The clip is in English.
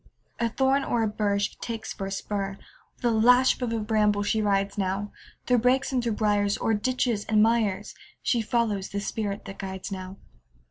A thorn or a bur She takes for a spur; With a lash of a bramble she rides now, Through brakes and through briars, O'er ditches and mires, She follows the spirit that guides now.